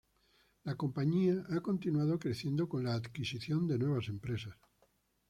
La compañía ha continuado creciendo con la adquisición de nuevas empresas.